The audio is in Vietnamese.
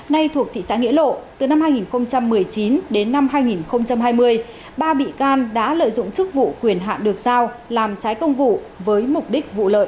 nay thuộc thị xã nghĩa lộ từ năm hai nghìn một mươi chín đến năm hai nghìn hai mươi ba bị can đã lợi dụng chức vụ quyền hạn được giao làm trái công vụ với mục đích vụ lợi